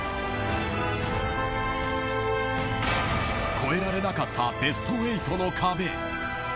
越えられなかったベスト８の壁。